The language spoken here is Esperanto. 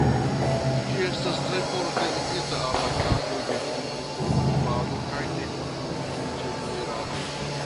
Ĝi estas tre forte ligita al la kampoj de kondutomodifado kaj de kondutinĝenierado.